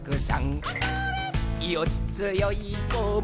「よっつよいこも